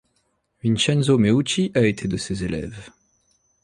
Vincenzo Meucci a été de ses élèves.